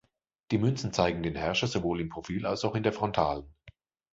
Die Münzen zeigen den Herrscher sowohl im Profil als auch in der Frontalen.